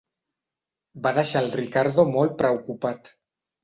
Va deixar el Ricardo molt preocupat.